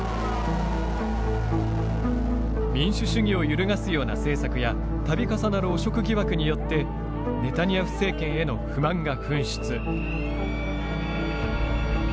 民主主義を揺るがすような政策やたび重なる汚職疑惑によってネタニヤフ政権への不満が噴出。